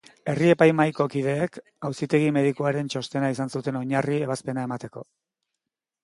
Herri-epaimahaiko kideek auzitegi-medikuaren txostena izan zuten oinarri ebazpena emateko.